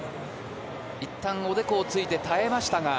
いったん、おでこをついて耐えましたが。